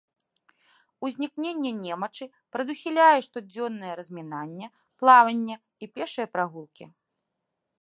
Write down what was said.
Узнікненне немачы прадухіляе штодзённае размінанне, плаванне і пешыя прагулкі.